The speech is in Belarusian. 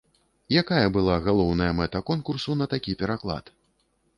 Якая была галоўная мэта конкурсу на такі пераклад?